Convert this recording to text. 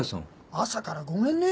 朝からごめんね。